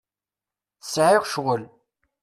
Sɛiɣ ccɣel.